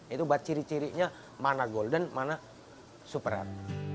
itu buat ciri cirinya mana golden mana super rut